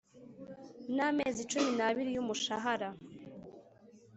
N amezi cumi n abiri y umushahara